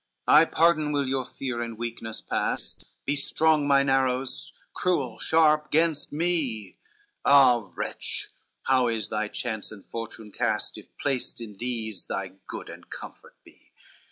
CXXV "I pardon will your fear and weakness past, Be strong, mine arrows, cruel, sharp, gainst me, Ah, wretch, how is thy chance and fortune cast, If placed in these thy good and comfort be?